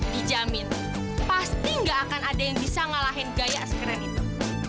dijamin pasti gak akan ada yang bisa ngalahin gaya sekeren itu